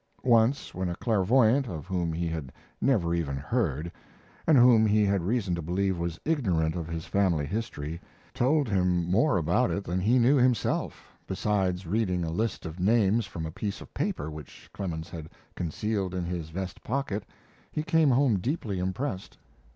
Once when a clairvoyant, of whom he had never even heard, and whom he had reason to believe was ignorant of his family history, told him more about it than he knew himself, besides reading a list of names from a piece of paper which Clemens had concealed in his vest pocket he came home deeply impressed.